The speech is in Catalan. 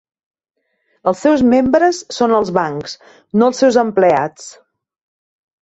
Els seus membres són els bancs, no els seus empleats.